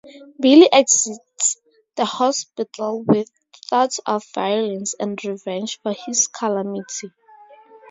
Billy exits the hospital with thoughts of violence and revenge for his calamity.